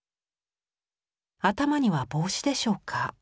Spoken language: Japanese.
頭には帽子でしょうか？